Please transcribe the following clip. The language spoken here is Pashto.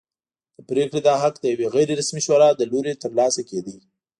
د پرېکړې دا حق د یوې غیر رسمي شورا له لوري ترلاسه کېده.